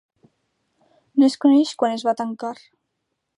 No es coneix quan es va tancar.